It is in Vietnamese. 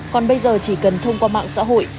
còn bây giờ chỉ cần thông qua mạng xã hội